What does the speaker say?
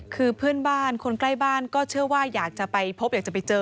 คือเพื่อนบ้านคนใกล้บ้านก็เชื่อว่าอยากจะไปพบอยากจะไปเจอ